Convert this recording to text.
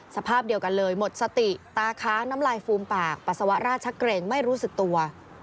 สภาพเดียวกันเลยหมดสติตาค้างน้ำลายฟูมปากปัสสาวะราชเกรงไม่รู้สึกตัว